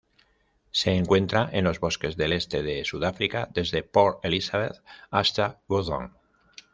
Se encuentra en los bosques del este de Sudáfrica desde Port Elizabeth hasta Gauteng.